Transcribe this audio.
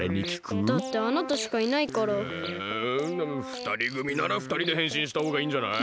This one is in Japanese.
ふたりぐみならふたりでへんしんしたほうがいいんじゃない？